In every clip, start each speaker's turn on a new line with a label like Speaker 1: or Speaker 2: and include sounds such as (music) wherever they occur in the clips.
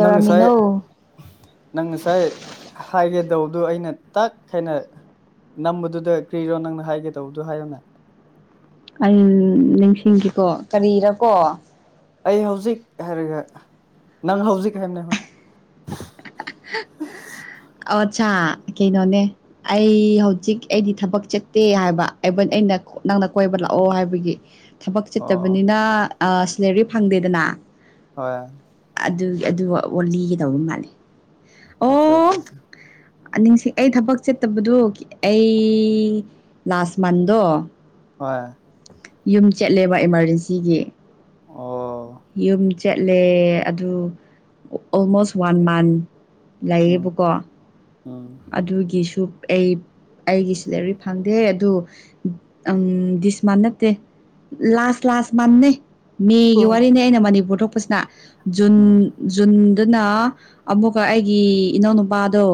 Speaker 1: ꯅꯪ ꯉꯁꯥꯏ ꯅꯪ ꯉꯁꯥꯏ ꯍꯥꯏꯒꯦꯗꯧꯗꯨ ꯑꯩꯅ ꯇꯛ ꯈꯦꯅ ꯅꯝꯕꯗꯨꯗ ꯀ꯭ꯔꯤꯔꯣ ꯅꯪꯅ ꯍꯥꯏꯒꯦ ꯇꯧꯕꯗꯨ ꯍꯥꯏꯌꯣꯅꯦ
Speaker 2: ꯑꯩꯎꯝ ꯅꯤꯡꯁꯤꯡꯈꯤꯀꯣ ꯀꯔꯤꯔꯀꯣ
Speaker 1: ꯑꯩ ꯍꯧꯖꯤꯛ ꯍꯥꯏꯔꯒ ꯅꯪ ꯍꯧꯖꯤꯛ ꯍꯥꯏꯕꯅꯦ ꯍꯣꯏ
Speaker 2: ꯑꯑꯣꯠ ꯁꯥ ꯀꯤꯅꯣꯅꯦ ꯑꯩ ꯍꯧꯖꯤꯛ ꯑꯩꯗꯤ ꯊꯕꯛ ꯆꯠꯇꯦ ꯍꯥꯏꯕ ꯑꯩꯕ ꯑꯩꯅ ꯅꯪꯅ ꯀꯣꯏꯕ ꯂꯥꯛꯑꯣ ꯍꯥꯏꯕꯒꯤ ꯊꯕꯛ
Speaker 1: ꯑꯣ
Speaker 2: ꯆꯠꯇꯕꯅꯤꯅ ꯑꯥ ꯁꯦꯂꯦꯔꯤ ꯐꯪꯗꯦꯗꯅ
Speaker 1: ꯍꯣꯏ
Speaker 2: ꯑꯗꯨꯒꯤ ꯑꯗꯨ ꯑꯣ ꯂꯤꯒꯦ ꯇꯧꯕ ꯃꯥꯜꯂꯦ
Speaker 1: ꯑꯁꯥꯆꯥꯆꯥ
Speaker 2: ꯑꯅꯤꯡꯁꯤ ꯑꯩ ꯊꯕꯛ ꯆꯠꯇꯕꯗꯨ ꯑꯩ ꯂꯥꯁ ꯃꯟꯗꯣ
Speaker 1: ꯍꯣꯏ
Speaker 2: ꯌꯨꯝ ꯆꯠꯂꯦꯕ ꯑꯦꯃꯥꯔꯖꯦꯟꯁꯤꯒꯤ
Speaker 1: ꯑꯣ
Speaker 2: ꯌꯨꯝ ꯆꯠꯂꯦ ꯑꯗꯨ ꯑꯣꯜꯃꯣꯁ ꯋꯥꯟ ꯃꯟ
Speaker 1: ꯎꯝ
Speaker 2: ꯂꯩꯌꯦꯕꯀꯣ
Speaker 1: ꯎꯝ
Speaker 2: ꯑꯗꯨꯒꯤꯁꯨ ꯑꯩ ꯑꯩꯒꯤ ꯁꯤꯂꯔꯤ ꯐꯪꯗꯦ ꯑꯗꯨ ꯎꯝ ꯗꯤꯁ ꯃꯟꯅ ꯗꯦ ꯂꯥꯁ ꯂꯥꯁ ꯃꯥꯟꯅꯦ ꯃꯦꯒꯤ
Speaker 1: ꯑꯣ
Speaker 2: ꯋꯥꯔꯤꯅꯦ ꯑꯩꯅ ꯃꯅꯤꯄꯨꯔ ꯊꯣꯛꯄꯁꯤꯅ ꯖꯨꯟ
Speaker 1: ꯎꯝ
Speaker 2: ꯖꯨꯟꯗꯅ ꯑꯃꯨꯛꯀ ꯑꯩꯒꯤ ꯏꯅꯥꯎ ꯅꯨꯨꯄꯥꯗꯣ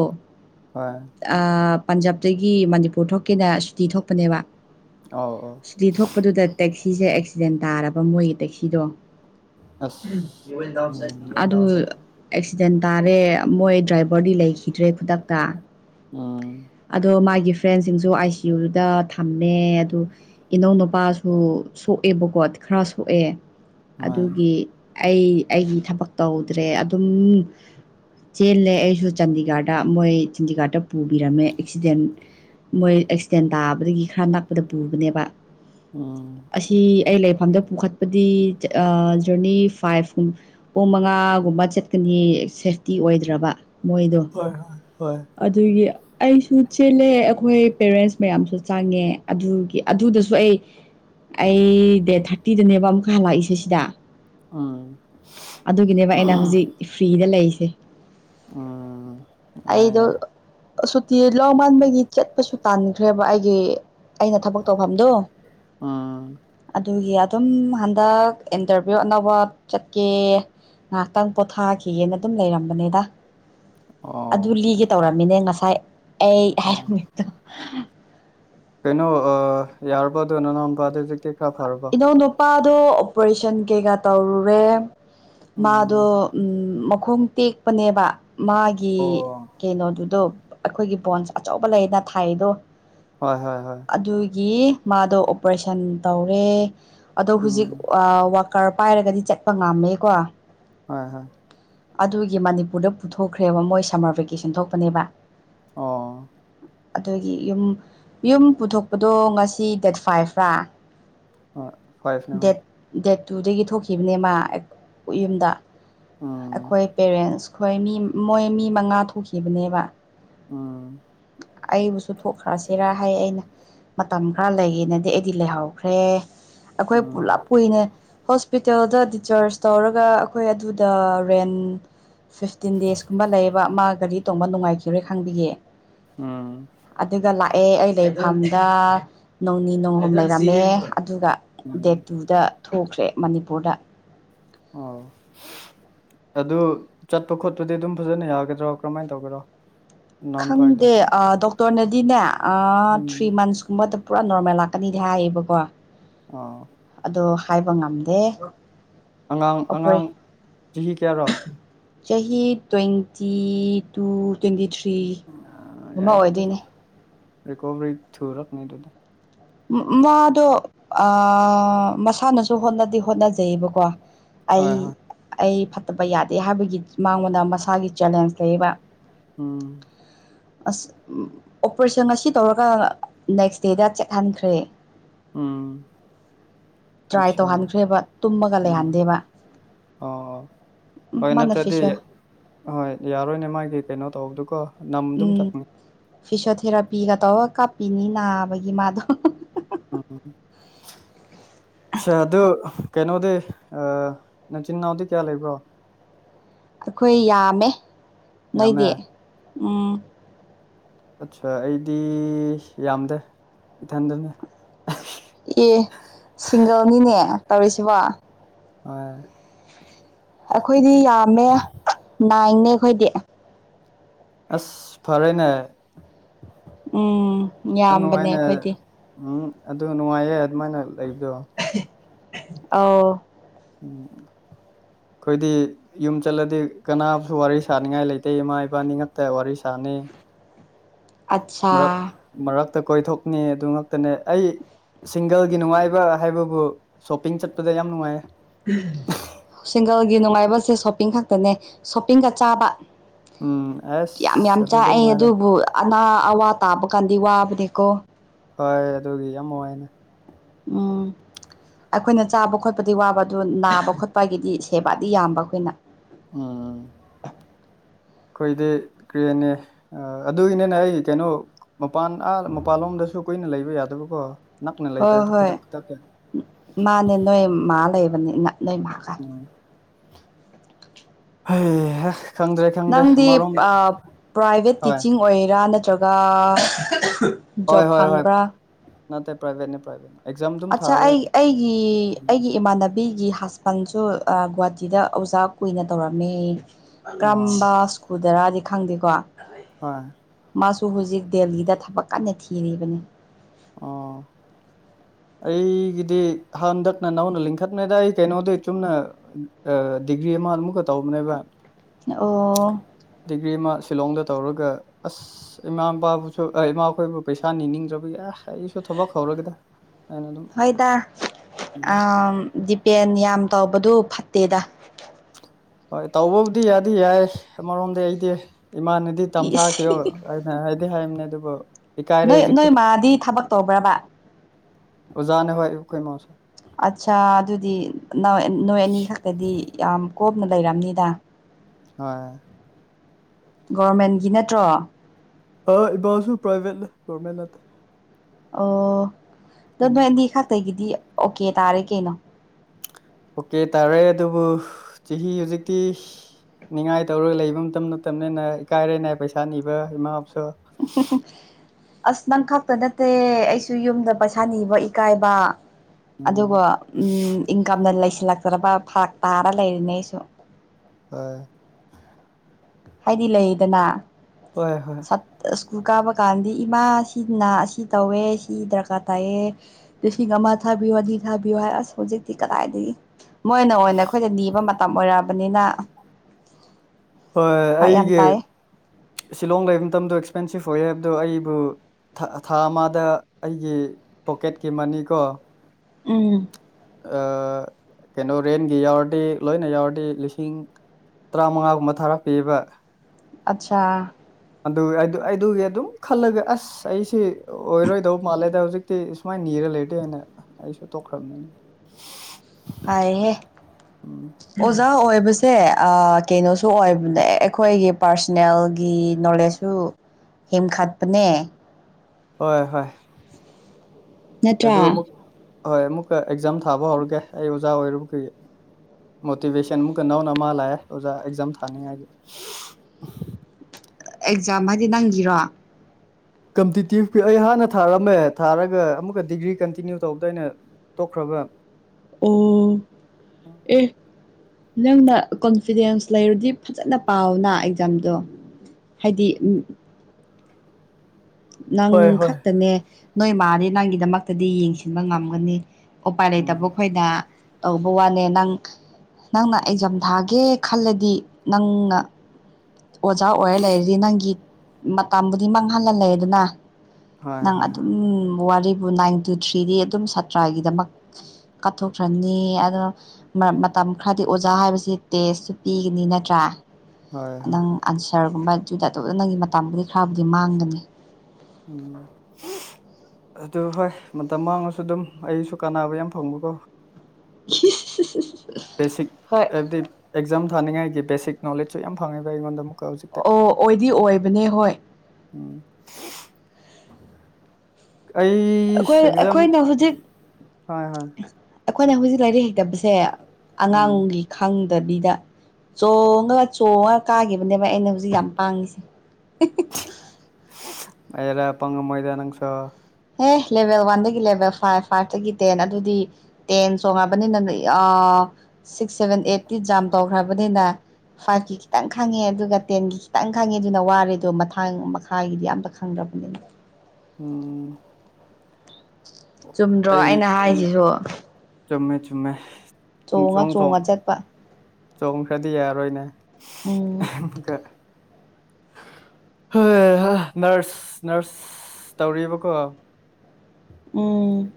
Speaker 1: ꯍꯣꯏ
Speaker 2: ꯑꯥ ꯄꯟꯖꯥꯞꯇꯒꯤ ꯃꯅꯤꯄꯨꯔ ꯊꯣꯛꯀꯦꯅ ꯁꯨꯇꯤ ꯊꯣꯛꯄꯅꯦꯕ
Speaker 1: ꯑꯥꯎ ꯑꯣ
Speaker 2: ꯁꯨꯇꯤ ꯊꯣꯛꯄꯗꯨꯗ ꯇꯦꯛꯁꯤꯁꯦ ꯑꯦꯛꯁꯤꯗꯦꯟ ꯇꯥꯔꯕ ꯃꯣꯏꯒꯤ ꯇꯦꯛꯁꯤꯗꯣ
Speaker 1: ꯑꯁ ꯎꯝ
Speaker 2: ꯑꯗꯨ ꯑꯦꯛꯁꯤꯗꯦꯟ ꯇꯥꯔꯦ ꯃꯣꯏ ꯗ꯭ꯔꯥꯏꯚꯔꯗꯤ ꯂꯩꯈꯤꯗ꯭ꯔꯦ ꯈꯨꯗꯛꯇ
Speaker 1: ꯎꯝ
Speaker 2: ꯑꯗꯣ ꯃꯥꯒꯤ ꯐ꯭ꯔꯦꯟꯁꯤꯡꯁꯨ ꯑꯥꯏ ꯁꯤ ꯌꯨꯗ ꯊꯝꯃꯦ ꯑꯗꯨ ꯏꯅꯧꯅꯣꯞ ꯄꯥꯁꯨ ꯁꯣꯛꯑꯦꯕꯀꯣ ꯈꯔ ꯁꯣꯛꯑꯦ
Speaker 1: ꯍꯣꯏ
Speaker 2: ꯑꯗꯨꯒꯤ ꯑꯩ ꯑꯩꯒꯤ ꯊꯕꯛ ꯇꯧꯗ꯭ꯔꯦ ꯑꯗꯨꯝ ꯆꯦꯜꯂꯦ ꯑꯩꯁꯨ ꯆꯥꯟꯗꯤꯒꯥꯔꯗ ꯃꯣꯏ ꯆꯥꯟꯗꯤꯒꯥꯔꯗ ꯄꯨꯕꯤꯔꯝꯃꯦ ꯑꯦꯛꯁꯤꯗꯦꯟ ꯃꯣꯏ ꯑꯦꯛꯁꯤꯗꯦꯟ ꯇꯥꯕꯗꯒꯤ ꯈꯔ ꯅꯛꯄꯗ ꯄꯨꯕꯅꯦꯕ
Speaker 1: ꯎꯝ
Speaker 2: ꯁꯤ ꯑꯩ ꯂꯩꯐꯝꯗ ꯄꯨꯈꯠꯄꯗꯤ ꯑꯥ ꯖꯔꯅꯤ ꯐꯥꯏꯐ ꯀꯨꯝ ꯄꯨꯡ ꯃꯉꯥꯒꯨꯝꯕ ꯆꯠꯀꯅꯤ ꯁꯦꯐꯇꯤ ꯑꯣꯏꯗ꯭ꯔꯕ ꯃꯣꯏꯗꯣ
Speaker 1: ꯍꯣꯏ ꯍꯣꯏ ꯍꯣꯏ
Speaker 2: ꯑꯗꯨꯒꯤ ꯑꯩꯁꯨ ꯆꯦꯜꯂꯦ ꯑꯩꯈꯣꯏ ꯄꯦꯔꯦꯟꯁ ꯃꯌꯥꯝꯁꯨ ꯆꯪꯉꯦ ꯑꯗꯨꯒꯤ ꯑꯗꯨꯗꯁꯨ ꯑꯩ ꯑꯩ ꯗꯦꯠ ꯊꯥꯔꯇꯤꯗꯅꯦꯕ ꯑꯃꯨꯛꯀ ꯍꯜꯂꯛ ꯏꯁꯦ ꯁꯤꯗ
Speaker 1: ꯎꯝ
Speaker 2: ꯑꯗꯨꯒꯤꯅꯦꯕ ꯑꯩꯅ ꯍꯧꯖꯤꯛ ꯐ꯭ꯔꯤꯗ ꯂꯩꯔꯤꯁꯦ
Speaker 1: ꯎꯝ ꯌꯥꯏ
Speaker 2: ꯑꯩꯗꯣ
Speaker 1: ꯌꯥꯏ
Speaker 2: ꯁꯨꯇꯤ ꯂꯧꯃꯥꯟꯕꯒꯤ ꯆꯠꯄꯁꯨ ꯇꯥꯟꯈ꯭ꯔꯦꯕ ꯑꯩꯒꯤ ꯑꯩꯅ ꯊꯕꯛ ꯇꯧꯐꯝꯗꯣ
Speaker 1: ꯑꯝ
Speaker 2: ꯑꯗꯨꯒꯤ ꯑꯗꯨꯝ ꯍꯟꯗꯛ ꯏꯟꯇꯔꯚꯤꯌꯨ ꯑꯅꯧꯕ ꯆꯠꯀꯦ ꯉꯥꯛꯇꯪ ꯄꯣꯊꯥꯈꯤꯒꯦꯅ ꯑꯗꯨꯝ ꯂꯩꯔꯝꯕꯅꯤꯗ ꯑꯗꯨ
Speaker 1: ꯑꯣ ꯑꯆꯥ
Speaker 2: ꯂꯤꯒꯦ
Speaker 1: ꯑꯆꯥ
Speaker 2: ꯇꯧꯔꯝꯃꯤꯅꯦ ꯉꯁꯥꯏ ꯑꯩ
Speaker 1: ꯑꯣ
Speaker 2: ꯍꯥꯏꯔꯝꯃꯤꯗꯣ
Speaker 1: ꯀꯩꯅꯣ ꯑꯥ ꯌꯥꯔꯕ ꯑꯗꯨ ꯅꯅꯥꯎꯄꯥꯗꯣ ꯍꯧꯖꯤꯛꯇꯤ ꯈꯔ ꯐꯥꯔꯕꯣ
Speaker 2: ꯏꯅꯧ ꯅꯨꯄꯥꯗꯣ ꯑꯣꯄꯔꯦꯁꯟ ꯀꯩꯀꯥ ꯇꯧꯔꯨꯔꯦ ꯃꯥꯗꯣ
Speaker 1: ꯎꯝ
Speaker 2: ꯃꯈꯣꯡ ꯇꯦꯛꯄꯅꯦꯕ ꯃꯥꯒꯤ
Speaker 1: ꯑꯣ
Speaker 2: ꯀꯩꯅꯣꯗꯨꯗꯣ ꯑꯩꯈꯣꯏꯒꯤ ꯕꯣꯟꯁ ꯑꯆꯧꯕ ꯂꯩꯌꯦꯅ ꯊꯥꯏꯗꯣ
Speaker 1: ꯍꯣꯏ ꯍꯣꯏ ꯍꯣꯏ
Speaker 2: ꯑꯗꯨꯒꯤ ꯃꯥꯗꯣ ꯑꯣꯄꯔꯦꯁꯟ ꯇꯧꯔꯦ ꯑꯗꯣ ꯍꯧꯖꯤꯛ
Speaker 1: ꯎꯝ
Speaker 2: ꯋꯥ ꯀꯔ ꯄꯥꯏꯔꯒꯗꯤ ꯆꯠꯄ ꯉꯝꯃꯦꯀꯣ
Speaker 1: ꯍꯣꯏ ꯍꯣꯏ
Speaker 2: ꯑꯗꯨꯒꯤ ꯃꯅꯤꯄꯨꯔꯗ ꯄꯨꯊꯣꯛꯈ꯭ꯔꯦꯕ ꯃꯣꯏ ꯁꯝꯃꯔ ꯕꯦꯀꯦꯁꯟ ꯊꯣꯛꯄꯅꯦꯕ
Speaker 1: ꯑꯣ
Speaker 2: ꯑꯗꯨꯒꯤ ꯌꯨꯝ ꯌꯨꯝ ꯄꯨꯊꯣꯛꯄꯗꯣ ꯉꯁꯤ ꯗꯦꯠ ꯐꯥꯏꯚꯔꯥ
Speaker 1: ꯍꯣꯢ ꯐꯥꯢꯚ
Speaker 2: ꯗꯦꯠ ꯗꯦꯠ ꯇꯨꯗꯒꯤ ꯊꯣꯛꯈꯤꯕꯅꯦ ꯃꯥ ꯌꯨꯝꯗ
Speaker 1: ꯎꯝ
Speaker 2: ꯑꯩꯈꯣꯏ ꯄꯦꯔꯦꯟꯁ ꯈꯣꯏ ꯃꯤ ꯃꯣꯏ ꯃꯤ ꯃꯉꯥ ꯊꯣꯛꯈꯤꯕꯅꯦꯕ
Speaker 1: ꯎꯝ
Speaker 2: ꯑꯩꯕꯨꯁꯨ ꯊꯣꯛꯈ꯭ꯔꯁꯤꯔ ꯍꯥꯏ ꯑꯩꯅ ꯃꯇꯝ ꯈꯔ ꯂꯩꯒꯦꯅꯗꯤ ꯑꯩꯗꯤ ꯂꯩꯍꯧ ꯈ꯭ꯔꯦ ꯑꯩꯈꯣꯏ
Speaker 1: ꯎꯝ
Speaker 2: ꯄꯨꯂꯞ ꯀꯨꯏꯅ ꯍꯣꯁꯄꯤꯇꯥꯜꯗ ꯗꯤꯆꯥꯔꯖ ꯇꯧꯔꯒ ꯑꯩꯈꯣꯏ ꯑꯗꯨꯗ ꯔꯦꯟ ꯐꯤꯐꯇꯤꯟ ꯗꯦꯁꯀꯨꯝꯕ ꯂꯩꯌꯦꯕ ꯃꯥ ꯒꯥꯔꯤ ꯇꯣꯡꯕ ꯅꯨꯡꯉꯥꯏꯈꯤꯔꯣꯏ ꯈꯪꯕꯒꯤ
Speaker 1: ꯎꯝ
Speaker 2: ꯑꯗꯨꯒ ꯂꯥꯛꯑꯦ ꯑꯩ ꯂꯩꯐꯝꯗ ꯅꯣꯡꯅꯤ ꯅꯣꯡꯅꯤ ꯂꯩ ꯂꯩꯔꯝꯃꯦ ꯑꯗꯨꯒ ꯗꯦꯠ
Speaker 1: ꯎꯝ
Speaker 2: ꯇꯨꯗ ꯊꯣꯛꯈ꯭ꯔꯦ ꯃꯅꯤꯄꯨꯔꯗ
Speaker 1: ꯑꯣ
Speaker 2: (inaudible)
Speaker 1: ꯑꯗꯨ ꯆꯠꯄ ꯈꯣꯠꯄꯗꯤ ꯑꯗꯨꯝ ꯐꯖꯅ ꯌꯥꯒꯗ꯭ꯔꯣ ꯀꯔꯝꯍꯥꯏꯅ ꯇꯧꯒꯦꯔꯣ ꯅꯅꯥꯎꯄꯥꯒꯤꯗꯣ
Speaker 2: ꯈꯪꯗꯦ ꯑꯥ ꯗꯣꯛꯇꯔꯅꯗꯤꯅꯦ ꯑꯥ ꯊ꯭ꯔꯤ
Speaker 1: ꯎꯝ
Speaker 2: ꯃꯥꯟꯁ ꯒꯨꯝꯕꯗ ꯄꯨꯔꯥ ꯅꯣꯔꯃꯦꯜ ꯂꯥꯛꯀꯅꯤꯗꯤ ꯍꯥꯏꯌꯦꯕꯀꯣ
Speaker 1: ꯑꯥ
Speaker 2: ꯑꯗꯣ ꯍꯥꯏꯕ ꯉꯝꯗꯦ
Speaker 1: ꯑꯉꯥꯡ
Speaker 2: ꯑꯣꯄꯔꯦ
Speaker 1: ꯑꯉꯥꯡ ꯆꯍꯤ ꯀꯌꯥꯔꯣ
Speaker 2: ꯆꯍꯤ ꯇ꯭ꯋꯦꯟꯇꯤ ꯇꯨ ꯇ꯭ꯋꯦꯟꯇꯤ ꯊ꯭ꯔꯤ ꯒꯨꯝꯕ
Speaker 1: ꯌꯥꯏꯗ ꯑꯗꯨꯗꯤ
Speaker 2: ꯑꯣꯏꯗꯣꯏꯅꯦ
Speaker 1: ꯔꯤꯀꯣꯕꯔꯤ ꯊꯨꯔꯛꯅꯤ ꯑꯗꯨꯗꯤ
Speaker 2: ꯃꯥꯗꯣ ꯑ ꯃꯁꯥꯅꯁꯨ ꯍꯣꯠꯅꯗꯤ ꯍꯣꯠꯅꯖꯩꯑꯦꯕꯀꯣ
Speaker 1: ꯍꯣꯏ
Speaker 2: ꯑꯩ
Speaker 1: ꯍꯣꯏ
Speaker 2: ꯑꯩ ꯐꯠꯇꯕ ꯌꯥꯗꯦ ꯍꯥꯏꯕꯒꯤ ꯃꯥꯡꯉꯣꯟꯗ ꯃꯁꯥꯒꯤ ꯆꯦꯂꯦꯟꯖ ꯂꯩꯕ
Speaker 1: ꯎꯝ
Speaker 2: ꯑꯁ ꯑꯣꯄꯔꯦꯁꯟ ꯉꯁꯤ ꯇꯧꯔꯒ ꯅꯦꯛꯁ ꯗꯦꯗ ꯆꯦꯛ ꯊꯟꯈ꯭ꯔꯦ
Speaker 1: ꯎꯝ
Speaker 2: ꯇ꯭ꯔꯥꯏ
Speaker 1: ꯑꯆꯥ
Speaker 2: ꯇꯧꯍꯟꯈ꯭ꯔꯦꯕ ꯇꯨꯝꯃꯒ
Speaker 1: ꯎꯝ
Speaker 2: ꯂꯩꯍꯟꯗꯦꯕ
Speaker 1: ꯑꯣ
Speaker 2: ꯎꯝ
Speaker 1: ꯍꯣꯏ
Speaker 2: ꯃꯥꯅ
Speaker 1: ꯅꯠꯇ꯭ꯔꯗꯤ
Speaker 2: ꯐꯤꯁꯣ
Speaker 1: ꯑꯍꯣꯏ ꯌꯥꯔꯣꯏꯅꯦ ꯃꯥꯒꯤ ꯀꯩꯅꯣ ꯇꯧꯕꯗꯨꯀꯣ ꯅꯝ ꯑꯗꯨꯝ
Speaker 2: ꯎꯝ
Speaker 1: ꯆꯠꯄꯅꯤ
Speaker 2: ꯐꯤꯁꯣꯊꯦꯔꯥꯄꯤꯒ ꯇꯧꯔꯒ ꯀꯥꯞꯄꯤꯅꯤ ꯅꯥꯕꯒꯤ ꯃꯥꯗꯣ
Speaker 1: (unintelligible) ꯁꯥꯑꯗꯨ ꯀꯩꯅꯣꯗꯤ ꯑ ꯅꯆꯤꯟꯅꯅꯥꯎꯗꯤ ꯀꯌꯥ ꯂꯩꯕ꯭ꯔꯣ
Speaker 2: ꯑꯩꯈꯣꯏ ꯌꯥꯝꯃꯦ
Speaker 1: ꯌꯥꯝꯃꯦ
Speaker 2: ꯅꯣꯏꯗꯤ ꯎꯝ
Speaker 1: ꯑꯠꯆꯥ ꯑꯩꯗꯤ ꯌꯥꯝꯗ꯭ꯔꯦ ꯏꯊꯟꯗꯅꯦ
Speaker 2: ꯑꯦ ꯁꯤꯡꯒꯜꯅꯤꯅꯦ ꯇꯧꯔꯤꯁꯤꯕ
Speaker 1: ꯍꯣꯏ
Speaker 2: ꯑꯩꯈꯣꯏꯗꯤ ꯌꯥꯝꯃꯦ ꯅꯥꯏꯅꯦ ꯑꯩꯈꯣꯏꯗꯤ
Speaker 1: ꯑꯁ ꯐꯔꯦꯅꯦ
Speaker 2: ꯎꯝ
Speaker 1: ꯌꯥꯝ
Speaker 2: ꯌꯥꯝꯕꯅꯦ
Speaker 1: ꯅꯨꯡꯉꯥꯏꯅꯦ
Speaker 2: ꯑꯩꯈꯣꯏꯗꯤ
Speaker 1: ꯎꯝ ꯑꯗꯨ ꯅꯨꯡꯉꯥꯏꯌꯦ ꯑꯗꯨꯃꯥꯏꯅ ꯂꯩꯕꯗꯣ
Speaker 2: ꯑꯥꯎ
Speaker 1: ꯎꯝ
Speaker 2: (inaudible)
Speaker 1: ꯑꯩꯈꯣꯏꯗꯤ ꯌꯨꯝ ꯆꯠꯂꯗꯤ ꯀꯅꯥꯕꯨꯁꯨ ꯋꯥꯔꯤ ꯁꯥꯅꯤꯡꯉꯥꯏ ꯂꯩꯇꯦ ꯏꯃꯥ ꯏꯄꯥꯅꯤ ꯉꯥꯛꯇ ꯋꯥꯔꯤ ꯁꯥꯅꯤ
Speaker 2: ꯑꯠꯁꯥ
Speaker 1: ꯃꯔꯛ ꯃꯔꯛꯇ ꯀꯣꯏꯊꯣꯛꯅꯤ ꯑꯗꯨ ꯉꯥꯛꯛꯇꯅꯦ ꯑꯩ ꯁꯤꯡꯒꯜꯒꯤ ꯅꯨꯡꯉꯥꯏꯕ ꯍꯥꯏꯕꯕꯨ ꯁꯣꯄꯤꯡ ꯆꯠꯄꯗ ꯌꯥꯝ ꯅꯨꯡꯉꯥꯏꯌꯦ
Speaker 2: ꯁꯤꯡꯒꯜꯒꯤ ꯅꯨꯡꯉꯥꯏꯕꯁꯦ ꯁꯣꯞꯄꯤꯡ ꯈꯛꯇꯅꯦ ꯁꯣꯞꯄꯤꯡꯒ ꯆꯥꯕ
Speaker 1: ꯎꯝ
Speaker 2: ꯌꯥꯝ ꯌꯥꯝ
Speaker 1: ꯑꯁ
Speaker 2: ꯆꯥꯏ
Speaker 1: ꯑꯗꯨꯗꯤ
Speaker 2: ꯑꯩ
Speaker 1: ꯅꯨꯡꯉꯥꯏꯔꯦ
Speaker 2: ꯑꯗꯨꯕꯨ ꯑꯅꯥ ꯑꯋꯥ ꯇꯥꯕ ꯀꯥꯟꯗꯤ ꯋꯥꯕꯗꯤꯀꯣ
Speaker 1: ꯍꯣꯏ ꯑꯗꯨꯒꯤ ꯌꯥꯝ ꯅꯨꯡꯉꯥꯏꯅꯤ
Speaker 2: ꯎꯝ ꯑꯩꯈꯣꯏꯅ ꯆꯥꯕ ꯈꯣꯠꯄꯗꯤ ꯋꯥꯕ ꯑꯗꯨ ꯅꯥꯕ ꯈꯣꯠꯄꯒꯤꯗꯤ ꯁꯦꯕꯥꯗꯤ ꯌꯥꯝꯕ ꯑꯩꯈꯣꯏꯅ
Speaker 1: ꯎꯝ ꯑꯩꯈꯣꯏꯗꯤ ꯀ꯭ꯔꯦꯅꯤ ꯑ ꯑꯗꯨꯒꯤꯅꯦꯅꯦ ꯑꯩ ꯀꯩꯅꯣ ꯃꯄꯥꯟ ꯑꯥꯃꯄꯥꯟꯂꯣꯝꯗꯁꯨ ꯀꯨꯏꯅ ꯂꯩꯕ ꯌꯥꯗꯕꯀꯣ ꯅꯛꯅ
Speaker 2: ꯍꯣꯏ
Speaker 1: ꯂꯩꯇ꯭ꯔꯗꯤ
Speaker 2: ꯍꯣꯏ
Speaker 1: ꯈꯨꯗꯛ ꯈꯨꯗꯛꯀꯤ
Speaker 2: ꯃꯥꯅꯦ ꯅꯣꯏ ꯃꯥ ꯂꯩꯕꯅꯤꯅ ꯅꯣꯏ ꯃꯥ
Speaker 1: ꯎꯪ ꯍꯩꯍꯥ ꯈꯪꯗ꯭ꯔꯦ ꯈꯪꯗ꯭ꯔꯦ
Speaker 2: ꯅꯪꯗꯤ
Speaker 1: ꯑꯃꯔꯣꯝꯗ
Speaker 2: ꯄ꯭ꯔꯥꯏꯚꯦꯠ
Speaker 1: ꯍꯣꯏ
Speaker 2: ꯇꯤꯆꯤꯡ ꯑꯣꯏꯔꯥ ꯅꯠꯇ꯭ꯔꯒ
Speaker 1: ꯍꯣꯏ
Speaker 2: ꯖꯣꯕ
Speaker 1: ꯍꯣꯏ ꯍꯣꯏ
Speaker 2: ꯐꯪꯕ꯭ꯔꯥ
Speaker 1: ꯅꯠꯇꯦ ꯄꯥꯏꯚ꯭ꯔꯦꯠꯅꯦ ꯄꯥꯏꯚ꯭ꯔꯦꯠꯅꯦ
Speaker 2: ꯑꯠꯆꯥ ꯑꯩ ꯑꯩꯒꯤ ꯑꯩꯒꯤ ꯏꯃꯥꯟꯅꯕꯤꯒꯤ ꯍꯥꯁ ꯐꯪꯁꯨ ꯑꯥ ꯒꯨꯍꯥꯇꯤꯗ ꯑꯣꯖꯥ ꯀꯨꯏꯅ ꯇꯧꯔꯝꯃꯦ
Speaker 1: ꯑꯣ
Speaker 2: ꯀꯔꯝꯕ ꯁ꯭ꯀꯨꯜꯗꯔꯥꯗꯤ ꯈꯪꯗꯦꯀꯣ
Speaker 1: ꯍꯣꯏ
Speaker 2: ꯃꯥꯁꯨ ꯍꯧꯖꯤꯛ ꯗꯦꯜꯂꯤꯗ ꯊꯕꯛ ꯀꯥꯟꯅ ꯊꯤꯔꯤꯕꯅꯤ
Speaker 1: ꯑꯣ
Speaker 2: (inaudible)
Speaker 1: ꯑꯩꯒꯤꯗꯤ ꯍꯟꯗꯛꯅ ꯅꯧꯅ ꯂꯤꯡꯈꯠꯕꯅꯤꯗ ꯑꯩ ꯀꯩꯅꯣꯗꯤ ꯆꯨꯝꯅ ꯑꯥ ꯗꯤꯒ꯭ꯔꯤ ꯑꯃ ꯑꯃꯨꯛꯀ ꯇꯧꯕꯅꯦꯕ
Speaker 2: ꯑꯣ
Speaker 1: ꯗꯤꯒ꯭ꯔꯤ ꯑꯃ ꯁꯤꯂꯣꯡꯗ ꯇꯧꯔꯒ ꯑꯁ ꯑꯁ ꯏꯃꯥ ꯄꯥꯕꯨꯁꯨ ꯏꯃꯥꯈꯣꯏꯕꯨ ꯄꯩꯁꯥ ꯅꯤꯅꯤꯡꯗꯕꯒꯤ ꯌꯥ ꯑꯩꯁꯨ ꯊꯕꯛ ꯍꯧꯔꯒꯦꯗ ꯑꯩꯅ ꯑꯗꯨꯝ
Speaker 2: ꯍꯣꯏꯗ
Speaker 1: ꯎꯝ
Speaker 2: ꯑꯥ ꯗꯤꯄꯦꯟ ꯌꯥꯝ ꯇꯧꯕꯗꯨ ꯐꯠꯇꯦꯗ
Speaker 1: ꯍꯣꯏ ꯇꯧꯕꯕꯨꯗꯤ ꯌꯥꯗꯤ ꯌꯥꯏ ꯑꯃꯔꯣꯝꯗ ꯑꯩꯗꯤ ꯏꯃꯥꯅꯗꯤ
Speaker 2: ꯏꯁ
Speaker 1: ꯇꯝꯊꯥꯈꯤꯌꯣ ꯑꯩꯅ ꯍꯥꯏꯗꯤ ꯍꯥꯢꯕꯅꯦ ꯑꯗꯨꯕꯨ ꯏꯀꯥꯏꯔꯦ
Speaker 2: ꯅꯣꯏ
Speaker 1: ꯍꯧꯖꯤꯛꯇꯤ
Speaker 2: ꯅꯣꯏ ꯃꯥꯗꯤ ꯊꯕꯛ ꯇꯧꯕ꯭ꯔꯕ
Speaker 1: ꯑꯣꯖꯥꯅꯦ ꯍꯣꯏ ꯑꯩꯈꯣꯏ ꯏꯃꯥꯁꯨ
Speaker 2: ꯑꯠꯆꯥ ꯑꯗꯨꯗꯤ ꯅꯣꯏ ꯑꯅꯤ ꯈꯛꯇꯗꯤ ꯌꯥꯝ ꯀꯣꯝꯅ ꯂꯩꯔꯝꯅꯤꯗ
Speaker 1: ꯍꯣꯏ
Speaker 2: ꯒꯣꯚꯔꯃꯦꯟꯒꯤ ꯅꯠꯇ꯭ꯔꯣ
Speaker 1: ꯑꯥ ꯢꯃꯥꯁꯨ ꯄ꯭ꯔꯕꯦꯠꯅꯦ ꯒꯣꯔꯃꯦꯟ ꯅꯠꯇꯦ
Speaker 2: ꯑꯣ ꯑꯗꯣ
Speaker 1: ꯎꯝ
Speaker 2: ꯅꯣꯏ ꯑꯅꯤ ꯈꯥꯛꯇꯒꯤꯗꯤ ꯑꯣꯀꯦ ꯇꯥꯔꯦ ꯀꯩꯅꯣ
Speaker 1: ꯑꯣꯀꯦ ꯇꯥꯔꯦ ꯑꯗꯨꯕꯨ ꯆꯍꯤ ꯍꯧꯖꯤꯛꯇꯤ ꯅꯤꯡꯉꯥꯏ ꯇꯧꯔꯒ ꯂꯩꯕ ꯃꯇꯝ ꯅꯠꯇꯕꯅꯤꯅ ꯏꯀꯥꯏꯔꯦꯅꯦ ꯄꯩꯁꯥ ꯅꯤꯕ ꯏꯃꯥꯕꯨꯁꯨ
Speaker 2: ꯎ (unintelligible) ꯑꯁ ꯅꯪ ꯈꯛꯇ ꯅꯠꯇꯦ ꯑꯩꯁꯨ ꯌꯨꯝꯗ ꯄꯩꯁꯥ ꯅꯤꯕ ꯏꯀꯥꯏꯕ
Speaker 1: ꯎꯝ
Speaker 2: ꯑꯗꯨꯒ ꯏꯟꯀꯝꯗ ꯂꯩꯁꯤꯜꯂꯛꯇ꯭ꯔꯕ ꯐꯔꯛ ꯇꯥꯔ ꯂꯩꯔꯤꯅꯦ ꯑꯩꯁꯨ
Speaker 1: ꯍꯣꯢ
Speaker 2: ꯍꯥꯏꯗꯤ ꯂꯩꯗꯅ
Speaker 1: ꯍꯣꯏ ꯍꯣꯏ
Speaker 2: ꯁ꯭ꯀꯨꯜ ꯀꯥꯕ ꯀꯥꯟꯗꯤ ꯏꯃꯥ ꯁꯤ ꯁꯤ ꯇꯧꯋꯦ ꯁꯤ ꯗꯔꯀꯥꯔ ꯇꯥꯏꯌꯦ ꯂꯤꯁꯤꯡ ꯑꯃ ꯊꯥꯕꯤꯌꯣ ꯑꯅꯤ ꯊꯥꯕꯌꯣ ꯍꯧꯖꯤꯛꯇꯤ ꯀꯗꯥꯢꯗꯒꯤ ꯃꯣꯏꯅ ꯑꯣꯏꯅ ꯑꯩꯈꯣꯏꯗ ꯅꯤꯕ ꯃꯇꯝ ꯑꯣꯏꯔꯛꯑꯕꯅꯤꯅ
Speaker 1: ꯍꯣꯏ
Speaker 2: ꯐꯔꯛ ꯌꯥꯝ
Speaker 1: ꯑꯩꯒꯤ
Speaker 2: ꯇꯥꯏ
Speaker 1: ꯁꯤꯂꯣꯡ ꯂꯩꯕ ꯃꯇꯝꯗꯣ ꯑꯦꯛꯁꯄꯦꯟꯁꯤꯞ ꯑꯣꯏꯌꯦ ꯍꯥꯏꯕꯗꯣ ꯑꯩꯕꯨ ꯊꯥ ꯑꯃꯗ ꯑꯩꯒꯤ ꯄꯣꯛꯀꯦꯠꯀꯤ ꯃꯅꯤ ꯀꯣ
Speaker 2: ꯎꯝ
Speaker 1: ꯑꯥ ꯀꯩꯅꯣ ꯔꯦꯟꯒꯤ ꯌꯥꯎꯔꯗꯤ ꯂꯣꯏꯅ ꯌꯥꯎꯔꯗꯤ ꯂꯤꯁꯤꯡ ꯇꯔꯥ ꯃꯉꯥꯒꯨꯝꯕ ꯊꯥꯔꯛꯄꯤꯕ
Speaker 2: ꯑꯠꯆꯥ
Speaker 1: ꯑꯗꯨ ꯑꯩꯒꯤ ꯑꯗꯨꯝ ꯈꯜꯂꯒ ꯑꯁ ꯑꯩꯁꯤ ꯑꯣꯏꯔꯣꯏꯗꯧꯕ ꯃꯥꯜꯂꯦꯗ ꯍꯧꯖꯤꯛ ꯇꯤ ꯁꯨꯃꯥꯏꯅ ꯅꯤꯔ ꯂꯩꯔꯗꯤꯅ ꯑꯩꯁꯨ ꯇꯣꯛꯈ꯭ꯔꯕꯅꯤ
Speaker 2: ꯐꯩꯌꯦ
Speaker 1: ꯎꯝ
Speaker 2: ꯑꯣꯖꯥ ꯑꯣꯏꯕꯁꯦ ꯑꯥ ꯀꯩꯅꯣꯁꯨ ꯑꯣꯏꯕꯅꯦ ꯑꯩꯈꯣꯏꯒꯤ ꯄꯥꯔꯁꯅꯦꯜꯒꯤ ꯅꯣꯂꯦꯖ ꯁꯨ ꯍꯦꯟꯈꯠꯄꯅꯦ
Speaker 1: ꯍꯣꯏ ꯍꯣꯏ
Speaker 2: ꯅꯠꯇ꯭ꯔꯥ
Speaker 1: ꯑꯗꯨ ꯑꯃꯨꯛ ꯍꯣꯏ ꯑꯃꯨꯛꯀ ꯑꯦꯛꯖꯥꯝ ꯊꯥꯕ ꯍꯧꯔꯒꯦ ꯑꯩ ꯑꯣꯖꯥ ꯑꯣꯏꯔꯨꯒꯦ ꯃꯣꯇꯤꯚꯦꯁꯟ ꯑꯃꯨꯛꯀ ꯅꯧꯅ ꯑꯃ ꯂꯥꯛꯑꯦ ꯑꯣꯖꯥ ꯑꯦꯛꯖꯥꯝ ꯊꯥꯅꯤꯡꯉꯥꯏꯒꯤ
Speaker 2: (inaudible) ꯑꯦꯛꯖꯥꯝ ꯍꯥꯏꯗꯤ ꯅꯪꯒꯤꯔꯣ
Speaker 1: ꯀꯝꯄꯤꯇꯤꯇꯤꯞꯀꯤ ꯑꯩ ꯍꯥꯟꯅ ꯊꯥꯔꯝꯃꯦ ꯊꯥꯔꯒ ꯑꯃꯨꯛꯀ ꯗꯤꯒ꯭ꯔꯤ ꯀꯟꯇꯤꯅ꯭ꯌꯨ ꯇꯧꯕꯗꯣ ꯑꯩꯅ ꯇꯣꯛꯈ꯭ꯔꯕꯥ
Speaker 2: ꯑꯣ ꯑꯦ ꯅꯪꯅ ꯀꯣꯟꯐꯤꯗꯦꯟꯁ ꯂꯩꯔꯗꯤ ꯐꯖꯅ ꯄꯥꯎꯅ ꯑꯦꯛꯖꯥꯝꯗꯣ ꯍꯥꯏꯗꯤ ꯅꯪ
Speaker 1: ꯍꯣꯏ ꯍꯣꯏ
Speaker 2: ꯈꯛꯇꯅꯦ ꯅꯣꯏ ꯃꯥꯗꯤ ꯅꯪꯒꯤꯗꯃꯛꯇꯗꯤ ꯌꯦꯡꯁꯤꯟꯕ ꯉꯝꯒꯅꯤ ꯎꯄꯥꯏ
Speaker 1: ꯎꯝ
Speaker 2: ꯂꯩꯇꯕ ꯈꯣꯏꯅ ꯇꯧꯕ ꯋꯥꯅꯦ ꯅꯪ ꯅꯪꯅ ꯑꯦꯛꯖꯥꯝ ꯊꯥꯒꯦ ꯈꯜꯂꯗꯤ ꯅꯪꯅ ꯑꯣꯖꯥ ꯑꯣꯏꯔ ꯂꯩꯔꯗꯤ ꯅꯪꯒꯤ ꯃꯇꯝꯕꯨꯗꯤ ꯃꯥꯡꯍꯜꯂ ꯂꯩꯔ ꯗꯨꯅ
Speaker 1: ꯍꯣꯏ
Speaker 2: ꯅꯪ
Speaker 1: ꯍꯣꯏ
Speaker 2: ꯑꯗꯨꯝ ꯋꯥꯔꯤꯕꯨ (unintelligible) ꯇꯨ ꯊ꯭ꯔꯤꯗꯤ ꯑꯗꯨꯝ ꯁꯥꯇ꯭ꯔꯥꯒꯤꯗꯃꯛ ꯀꯊꯣꯛꯈ꯭ꯔꯅꯤ ꯑꯗꯨꯨꯅ ꯃ ꯃꯇꯝ ꯈꯔꯗꯤ ꯑꯣꯖꯥ ꯍꯥꯏꯕꯁꯤ ꯇꯦꯁꯁꯨ ꯄꯤꯒꯅꯤ ꯅꯠꯇ꯭ꯔꯥ
Speaker 1: ꯍꯣꯏ ꯍꯣꯏ
Speaker 2: ꯅꯪ ꯑꯟꯁꯔꯒꯨꯝꯕ ꯑꯗꯨꯗ ꯑꯗꯨ ꯅꯪꯒꯤ ꯃꯇꯝꯕꯨꯗꯤ ꯈꯔꯕꯨꯗꯤ ꯃꯥꯡꯒꯅꯤ
Speaker 1: ꯎꯝ (unintelligible) ꯑꯗꯨ ꯍꯣꯏ ꯃꯇꯝ ꯃꯥꯡꯉꯁꯨ ꯑꯗꯨꯝ ꯑꯩꯁꯨ ꯀꯥꯟꯅꯕ ꯌꯥꯝ ꯐꯪꯕꯀꯣ
Speaker 2: (unintelligible)
Speaker 1: ꯕꯦꯁꯤꯛ
Speaker 2: ꯍꯣꯏ
Speaker 1: ꯍꯥꯏꯕꯗꯤ ꯑꯦꯛꯖꯥꯝ ꯊꯥꯅꯤꯡꯉꯥꯏꯒꯤ ꯕꯦꯁꯤꯛ ꯅꯣꯂꯦꯠꯁ ꯌꯥꯝ ꯐꯪꯉꯦꯕ ꯑꯩꯉꯣꯟꯗ ꯑꯃꯨꯛ
Speaker 2: ꯑꯣ ꯑꯣꯏꯗꯤ ꯑꯣꯏꯕꯅꯦ ꯍꯣꯏ
Speaker 1: ꯎꯝ (unintelligible) ꯑꯩ
Speaker 2: ꯑꯩꯈꯣꯏ
Speaker 1: ꯑꯦꯛꯖꯥꯝ
Speaker 2: ꯑꯩꯈꯣꯏꯅ ꯍꯧꯖꯤꯛ
Speaker 1: ꯍꯣꯏ ꯍꯣꯏ
Speaker 2: ꯑꯩꯈꯣꯏꯅ ꯍꯧꯖꯤꯛ ꯂꯥꯏꯔꯤꯛ ꯍꯩꯇꯕꯁꯦ
Speaker 1: ꯎꯝ
Speaker 2: ꯑꯉꯥꯡꯒꯤ ꯈꯪꯗꯕꯤꯗ ꯆꯣꯡꯉꯒ ꯆꯣꯡꯉꯒ ꯀꯥꯈꯤꯕꯅꯦꯕ ꯑꯩꯅ ꯍꯧꯖꯤꯛ ꯌꯥꯝ ꯄꯥꯡꯉꯤꯁꯦ
Speaker 1: ꯍꯦꯔꯥ ꯄꯪꯉꯝꯃꯣꯏꯗ ꯅꯪꯁꯨ
Speaker 2: ꯑꯦ ꯂꯦꯚꯦꯜ ꯋꯥꯟꯗꯒꯤ ꯂꯦꯚꯦꯜ ꯐꯥꯏꯚ ꯐꯥꯏꯚꯇꯒꯤ ꯇꯦꯟ ꯑꯗꯨꯗꯤ ꯇꯦꯟ ꯆꯣꯡꯉꯕꯅꯤꯅ ꯑ (unintelligible) ꯁꯤꯛꯁ ꯁꯚꯦꯟ ꯑꯩꯠꯇꯤ ꯖꯥꯝ ꯇꯧꯈ꯭ꯔꯕꯅꯤꯅ ꯐꯥꯏꯚꯀꯤ ꯈꯤꯇꯪ ꯈꯪꯉꯦ ꯑꯗꯨꯒ ꯇꯦꯟꯒꯤ ꯈꯤꯇꯪ ꯈꯪꯉꯦ ꯑꯗꯨꯅ ꯋꯥꯔꯦꯗꯣ ꯃꯊꯥꯡ ꯃꯈꯥꯒꯤꯗꯤ ꯑꯝꯇ ꯈꯪꯗꯕꯅꯤ (unintelligible)
Speaker 1: ꯎꯝ
Speaker 2: ꯆꯨꯝꯗ꯭ꯔꯣ
Speaker 1: ꯑꯩ
Speaker 2: ꯑꯩꯅ ꯍꯥꯏꯁꯤꯁꯨ
Speaker 1: ꯆꯨꯝꯃꯦ ꯆꯨꯝꯃꯦ ꯄꯨꯡ
Speaker 2: ꯆꯣꯡꯉ
Speaker 1: ꯆꯣꯡ ꯆꯣꯡ
Speaker 2: ꯆꯣꯡꯉ ꯆꯠꯄ
Speaker 1: ꯆꯣꯡꯈ꯭ꯔꯗꯤ ꯌꯥꯔꯣꯏꯅꯦ
Speaker 2: ꯎꯝ
Speaker 1: ꯑꯃꯨꯛꯀ (unintelligible) ꯍꯩꯍꯥ ꯅ꯭ꯔꯁ ꯅ꯭ꯔꯁ ꯇꯧꯔꯤꯕꯀꯣ
Speaker 2: ꯎꯝ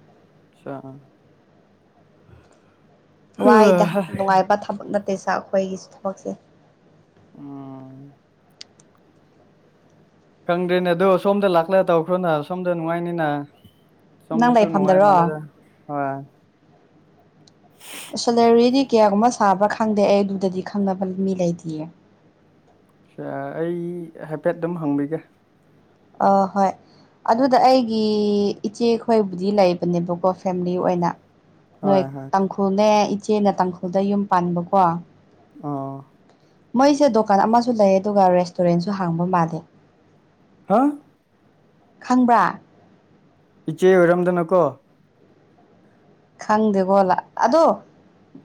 Speaker 1: ꯑꯆꯥ (unintelligible)
Speaker 2: ꯋꯥꯏꯗ ꯅꯨꯡꯉꯥꯏꯕ ꯊꯕꯛ ꯅꯠꯇꯦ ꯁꯥ ꯑꯩꯈꯣꯏꯒꯤ ꯁꯤ ꯊꯕꯛꯁꯦ
Speaker 1: ꯎꯝ ꯈꯪꯗ꯭ꯔꯦꯅꯦ ꯑꯗꯣ ꯁꯣꯝꯗ ꯂꯥꯛꯂ ꯇꯧꯈ꯭ꯔꯣꯅ ꯁꯣꯝꯗ ꯅꯨꯡꯉꯥꯏꯅꯤꯅ
Speaker 2: ꯅꯪ
Speaker 1: ꯁꯣꯝꯗꯁꯨꯨ ꯅꯨꯡꯉꯥꯏ ꯃꯥꯂꯦꯗ
Speaker 2: ꯂꯩꯐꯝꯗꯔꯣ
Speaker 1: ꯍꯣꯏ
Speaker 2: (inaudible) ꯁꯦꯂꯥꯔꯤꯗꯤ ꯀꯌꯥꯒꯨꯝꯕ ꯁꯥꯕ꯭ꯔꯥ ꯈꯪꯗꯦ ꯑꯩ ꯑꯗꯨꯗꯗꯤ ꯈꯪꯅꯕ ꯃꯤ ꯂꯩꯇꯤꯌꯦ
Speaker 1: ꯑ ꯑꯩ ꯍꯥꯏꯐꯦꯠ ꯑꯗꯨꯝ ꯍꯪꯕꯤꯒꯦ
Speaker 2: ꯑ ꯍꯣꯏ ꯑꯗꯨꯗ ꯑꯩꯒꯤ ꯏꯆꯦꯈꯣꯏꯕꯨꯗꯤ ꯂꯩꯕꯅꯦꯕꯀꯣ ꯐꯦꯝꯂꯤ ꯑꯣꯏꯅ ꯅꯣꯏ
Speaker 1: ꯍꯣꯏ ꯍꯣꯏ
Speaker 2: ꯇꯥꯡꯈꯨꯜꯅꯦ ꯏꯆꯦꯅ ꯇꯥꯡꯈꯨꯜꯗ ꯌꯨꯝ ꯄꯥꯟꯕꯀꯣ
Speaker 1: ꯑꯥ
Speaker 2: ꯃꯣꯏꯁꯦ ꯗꯨꯀꯥꯟ ꯑꯃꯁꯨ ꯂꯩ ꯑꯗꯨꯒ ꯔꯦꯁꯇꯨꯔꯦꯟꯁꯨ ꯍꯥꯡꯕ ꯃꯥꯜꯂꯦ
Speaker 1: ꯍꯥ
Speaker 2: ꯈꯪꯕ꯭ꯔꯥ
Speaker 1: ꯏꯆꯦ ꯑꯣꯏꯔꯝꯗꯅꯀꯣ
Speaker 2: ꯈꯪꯗꯦꯀꯣ ꯑꯗꯣ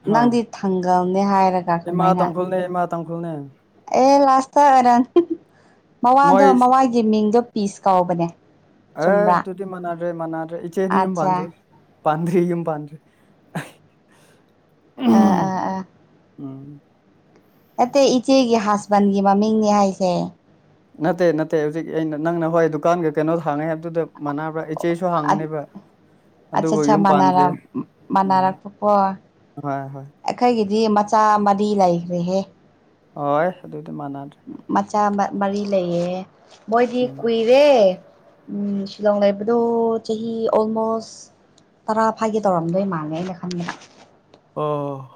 Speaker 1: ꯍꯣꯏ
Speaker 2: ꯅꯪꯗꯤ ꯊꯪꯒꯜꯅꯦ ꯍꯥꯏꯔꯒ
Speaker 1: ꯏꯃꯥ
Speaker 2: ꯀꯃꯥꯏꯅ
Speaker 1: ꯇꯥꯡꯈꯨꯜꯅꯦ ꯏꯃꯥ ꯇꯥꯡꯈꯨꯜꯅꯦ
Speaker 2: ꯑꯦ ꯂꯥꯁꯇ ꯑꯣꯔꯟ
Speaker 1: ꯃꯣꯏ
Speaker 2: ꯃꯋꯥꯗꯣ ꯃꯋꯥꯒꯤ ꯃꯤꯡꯗꯣ ꯄꯤꯁ ꯀꯥꯎꯕꯅꯦ
Speaker 1: ꯑꯦ ꯇꯨꯗꯤ ꯃꯅꯥꯗ꯭ꯔꯦ ꯃꯅꯥꯗ꯭ꯔꯦ ꯏꯆꯦꯗꯤ ꯌꯨꯝ
Speaker 2: ꯑꯠꯆꯥ
Speaker 1: ꯄꯥꯟꯗ꯭ꯔꯤ ꯄꯥꯟꯗ꯭ꯔꯤ ꯌꯨꯝ ꯄꯥꯟꯗ꯭ꯔꯤ
Speaker 2: ꯑꯥ ꯑꯥ ꯑꯥ
Speaker 1: ꯎꯝ
Speaker 2: ꯅꯠꯇꯦ ꯏꯆꯦꯒꯤ ꯍꯁꯕꯦꯟꯒꯤ ꯃꯃꯤꯡꯅꯦ ꯍꯥꯏꯁꯦ
Speaker 1: ꯅꯠꯇꯦ ꯅꯠꯇꯦ ꯍꯧꯖꯤꯛ ꯑꯩꯅ ꯅꯪꯅ ꯍꯣꯏ ꯗꯨꯀꯥꯟꯒ ꯀꯩꯅꯣ ꯍꯥꯡꯉꯦ ꯍꯥꯏꯕꯗꯨꯗ ꯃꯥꯟꯅꯕ꯭ꯔꯥ ꯏꯆꯦꯁꯨ ꯍꯥꯡꯕꯅꯦꯕ
Speaker 2: ꯑꯆꯥ
Speaker 1: ꯑꯗꯨꯕꯨ
Speaker 2: ꯑꯠꯆꯥ
Speaker 1: ꯌꯨꯝ
Speaker 2: ꯃꯃꯥ
Speaker 1: ꯄꯥꯟꯗ꯭ꯔꯤ ꯎꯝ
Speaker 2: ꯃꯅꯥꯔꯛꯄꯀꯣ
Speaker 1: ꯍꯣꯏ ꯍꯣꯏ
Speaker 2: ꯑꯩꯈꯣꯏꯒꯤꯗꯤ ꯃꯆꯥ ꯃꯔꯤ ꯂꯩꯈ꯭ꯔꯦꯍꯦ
Speaker 1: ꯑꯣꯏ ꯑꯗꯨꯗꯤ ꯃꯥꯅ
Speaker 2: ꯃꯆꯥ ꯃꯔꯤ ꯂꯩꯌꯦ ꯃꯣꯏꯗꯤ
Speaker 1: ꯎꯝ
Speaker 2: ꯀꯨꯏ ꯔꯦ ꯎꯝ ꯁꯤꯂꯣꯡ ꯂꯩꯕꯗꯣ ꯆꯍꯤ ꯑꯣꯜꯃꯣꯁ ꯇꯔꯥ ꯐꯥꯒꯦ ꯇꯧꯔꯝꯗꯣꯏ ꯃꯥꯜꯂꯦ ꯑꯩꯅ ꯈꯟꯕꯗ
Speaker 1: ꯑꯣ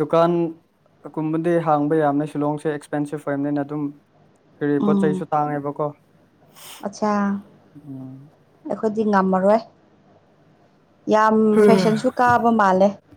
Speaker 1: ꯗꯨꯀꯥꯟꯒꯨꯝꯕꯗꯤ ꯍꯥꯡꯕ ꯌꯥꯝꯅꯦ ꯁꯤꯂꯣꯡꯁꯦ ꯑꯦꯛꯁꯄꯦꯟꯁꯤꯞ ꯑꯣꯏꯕꯅꯤꯅ ꯑꯗꯨꯝ ꯀꯔꯤ ꯄꯣꯠ
Speaker 2: ꯎꯝ
Speaker 1: ꯆꯩꯁꯨ ꯇꯥꯡꯉꯦꯕꯀꯣ
Speaker 2: ꯑꯠꯆꯥ
Speaker 1: ꯎꯝ
Speaker 2: ꯑꯩꯈꯣꯏꯗꯤ ꯉꯝꯃꯔꯣꯏ ꯌꯥꯝ ꯐꯦꯁꯟꯁꯨ ꯀꯥꯕ ꯃꯥꯜꯂꯦ